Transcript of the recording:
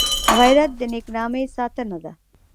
غیرت د نېک نامۍ ساتنه ده